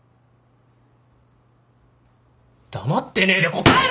黙ってねえで答えろよ！